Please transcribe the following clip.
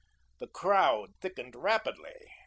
The crowd thickened rapidly.